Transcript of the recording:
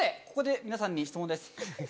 ここで皆さんに質問です。